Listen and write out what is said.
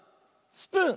スプーン